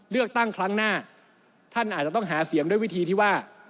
เลือกตั้งครั้งหน้าท่านอาจจะต้องหาเสียงด้วยวิธีที่ว่า